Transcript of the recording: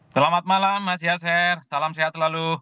selamat malam mas yasir salam sehat lalu